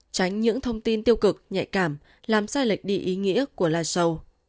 tránh những thông tin tiêu cực nhạy cảm làm sai lệch đi ý nghĩa của live show